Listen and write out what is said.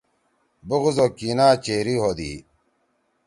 بغضاو کینہچیری ہودی۔